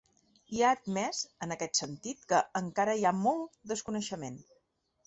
I ha admès, en aquest sentit, que ‘encara hi ha molt desconeixement’.